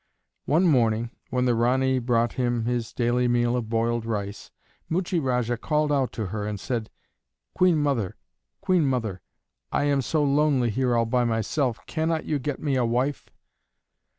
One morning, when the Ranee brought him his daily meal of boiled rice, Muchie Rajah called out to her and said, "Queen Mother, Queen Mother, I am so lonely here all by myself! Cannot you get me a wife?"